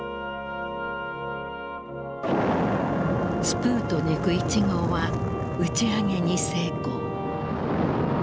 スプートニク１号は打ち上げに成功。